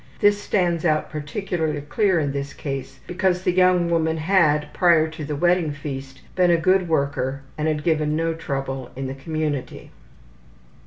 This stands out particularly clearly in this case because the young woman had, prior to the wedding feast, been a good worker and had given no trouble in the community.